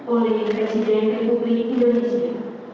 oleh presiden republik indonesia